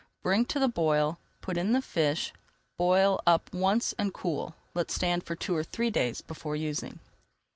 Bring to the boil, put in the fish, boil up once and cool. Let stand for two or three days before using.